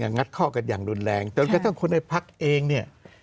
งัดข้อกันอย่างรุนแรงจนกระทั่งคนในพักเองเนี่ย